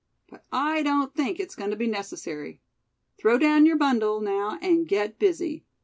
But I don't think it's going to be necessary. Throw down your bundle, now, and get busy.